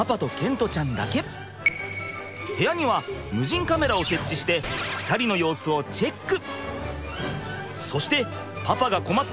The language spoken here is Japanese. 部屋には無人カメラを設置して２人の様子をチェック！